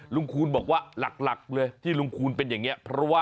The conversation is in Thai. ลุงคูณบอกว่าหลักเลยที่ลุงคูณเป็นอย่างนี้